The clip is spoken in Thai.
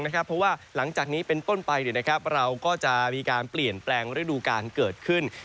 เพราะว่าหลังจากนี้เป็นต้นไปเราก็จะมีการเปลี่ยนแปลงฤดูการเกิดขึ้น